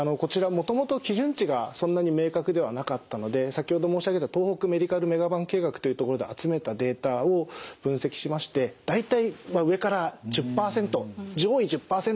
もともと基準値がそんなに明確ではなかったので先ほど申し上げた東北メディカルメガバンク計画というところで集めたデータを分析しまして大体上から１０％上位１０％の人はすばらしい。